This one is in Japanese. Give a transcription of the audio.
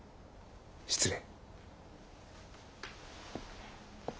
失礼。